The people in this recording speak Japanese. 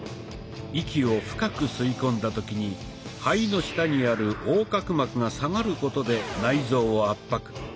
息を深く吸い込んだ時に肺の下にある横隔膜が下がることで内臓を圧迫。